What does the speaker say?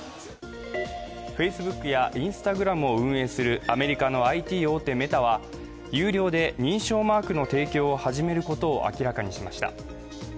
ＦａｃｅｂｏｏｋやＩｎｓｔａｇｒａｍを運営するアメリカのＩＴ大手メタは有料で認証マークの提供を始めることを明らかにしました。